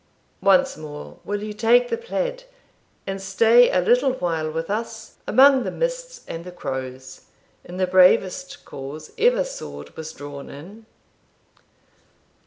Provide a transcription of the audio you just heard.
Once more, will you take the plaid, and stay a little while with us among the mists and the crows, in the bravest cause ever sword was drawn in?'